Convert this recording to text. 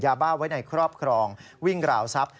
ยาบ้าไว้ในครอบครองวิ่งราวทรัพย